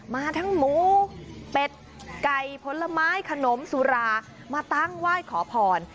มาทั้งหมูเป็ดไก่ผลไม้ขนมสุรามาตั้งไหว้ขอพร